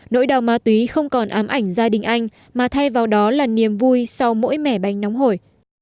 nỗi đau ma túy không còn ám ảnh gia đình anh mà thay vào đó là niềm vui sau mỗi mẻ bánh nóng hổi